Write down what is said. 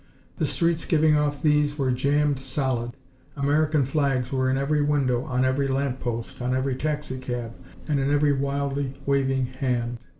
The streets giving off these were jammed solid. American flags were in every window, on every lamp post, on every taxicab, and in every wildly waving hand.